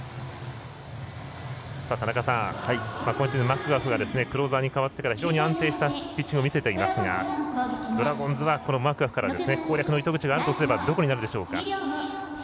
今シーズン、マクガフがクローザーに変わってから非常に安定したピッチングを見せていますがドラゴンズはマクガフから攻略の糸口があるとすればどこになるでしょうか。